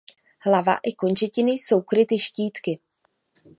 Hlava i končetiny jsou kryty štítky.